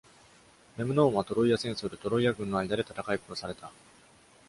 メムノーンはトロイア戦争でトロイア軍の間で戦い殺された。